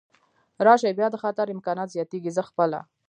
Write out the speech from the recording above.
راشي، بیا د خطر امکانات زیاتېږي، زه خپله.